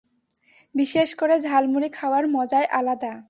বিশেষ করে ঝালমুড়ি খাওয়ার মজাই আলাদা।